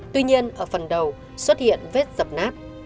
tuy nhiên ở phần đầu xuất hiện vết dập nát